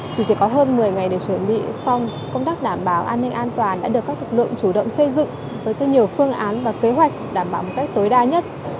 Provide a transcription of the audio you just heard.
dù chỉ có hơn một mươi ngày để chuẩn bị xong công tác đảm bảo an ninh an toàn đã được các lực lượng chủ động xây dựng với nhiều phương án và kế hoạch đảm bảo một cách tối đa nhất